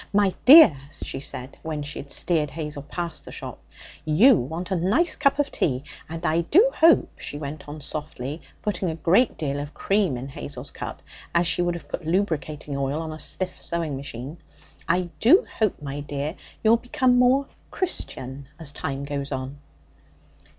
'My dear,' she said, when she had steered Hazel past the shop, 'you want a nice cup of tea. And I do hope,' she went on softly, putting a great deal of cream in Hazel's cup as she would have put lubricating oil on a stiff sewing machine 'I do hope, my dear, you'll become more Christian as time goes on.'